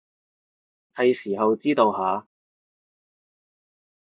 喺時候知道下